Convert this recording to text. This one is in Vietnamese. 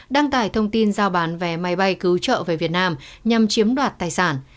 đăng tải thông tin giao bán vé máy bay cứu trợ về việt nam nhằm chiếm đoạt tài sản